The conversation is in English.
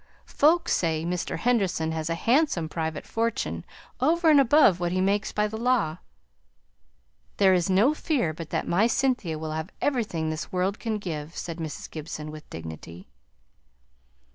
Folks say Mr. Henderson has a handsome private fortune over and above what he makes by the law." "There is no fear but that my Cynthia will have everything this world can give!" said Mrs. Gibson with dignity.